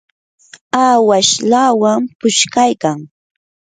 awash lawam pushqaykan.